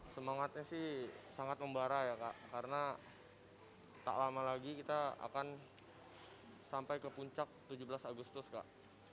semangatnya sih sangat membara ya kak karena tak lama lagi kita akan sampai ke puncak tujuh belas agustus kak